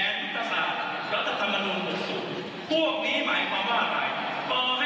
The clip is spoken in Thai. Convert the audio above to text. เราจะจัดการแก้ไขรัฐธรรมนูน๖๐